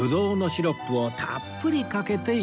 ぶどうのシロップをたっぷりかけて頂きます